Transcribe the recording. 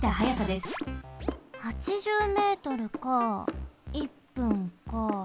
８０ｍか１分か。